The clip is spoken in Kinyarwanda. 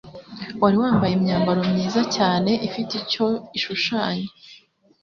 wari wambaye imyambaro myiza cyane ifite icyo ishushanya,